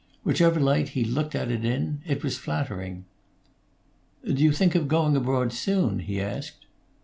Whichever light he looked at it in, it was flattering. "Do you think of going abroad soon?" he asked.